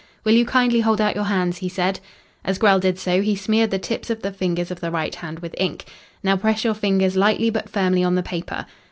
"Will you kindly hold out your hands?" he said. As Grell did so he smeared the tips of the fingers of the right hand with ink. "Now press your fingers lightly but firmly on the paper.